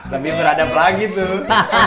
lebih beradab lagi tuh